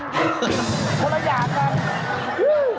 คนละอย่างน่ะ